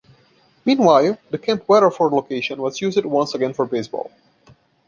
Meanwhile, the Camp Weatherford location was used once again for baseball.